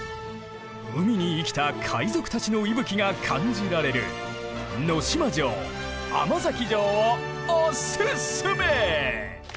海に生きた海賊たちの息吹が感じられる能島城甘崎城をおススメ！